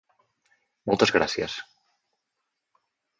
Moltes gràcies